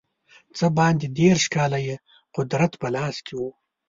څه باندې دېرش کاله یې قدرت په لاس کې وو.